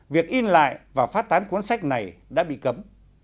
việc in lại và phát tán cuốn sách này đã bị cấm